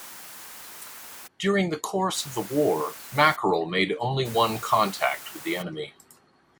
During the course of the war, "Mackerel" made only one contact with the enemy.